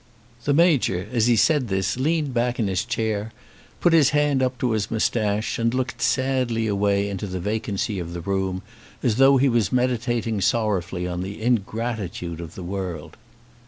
The Major, as he said this, leaned back in his chair, put his hand up to his moustache, and looked sadly away into the vacancy of the room, as though he was meditating sorrowfully on the ingratitude of the world.